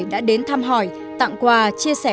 đã đến thăm hỏi tặng quà chia sẻ